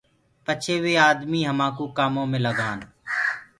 پڇي وي آمي همآڪوُ ڪآمو ڪمي لگآن۔